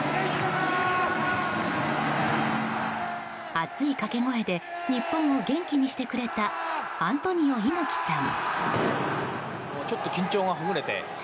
熱い掛け声で日本を元気にしてくれたアントニオ猪木さん。